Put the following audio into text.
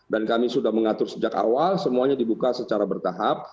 dan kami sudah mengatur sejak awal semuanya dibuka secara bertahap